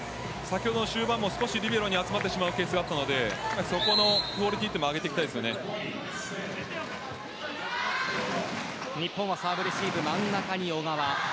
終盤、リベロに集まってしまうケースがあったのでそこのクオリティーを上げていき日本はサーブレシーブ真ん中に小川。